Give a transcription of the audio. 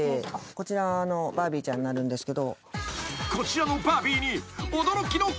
こちらのバービーちゃんになるんですけど。